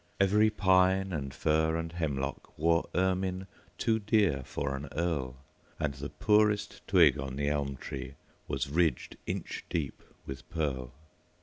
Every pine and fir and hemlockWore ermine too dear for an earl, And the poorest twig on the elm treeWas ridged inch deep with pearl.